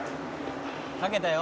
「かけたよ」